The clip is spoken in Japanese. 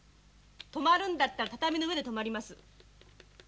泊まるんだったら畳の上で泊まります。